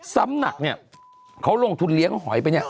ซ้ำหนักเนี่ยเขาลงทุนเลี้ยงหอยไปเนี่ย